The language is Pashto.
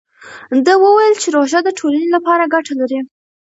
ده وویل چې روژه د ټولنې لپاره ګټه لري.